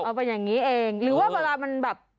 เอาเป็นอย่างนี้เองหรือว่าเวลามันแบบ